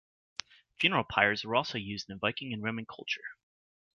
Funeral pyres were also used in Viking and Roman culture.